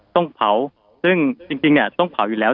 ต้องเผาซึ่งจริงเนี่ยต้องเผาอยู่แล้ว